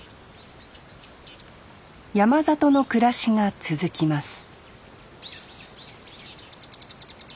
山里の暮らしが続きます